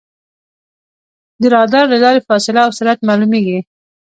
د رادار له لارې فاصله او سرعت معلومېږي.